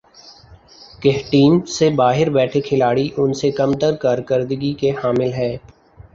کہ ٹیم سے باہر بیٹھے کھلاڑی ان سے کم تر کارکردگی کے حامل ہیں ۔